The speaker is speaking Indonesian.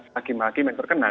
hakim hakim yang terkenal